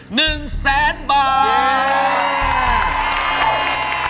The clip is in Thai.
หนึ่งแสนบาท